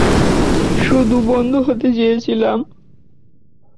শুধু বন্ধু হতে চেয়েছিলাম।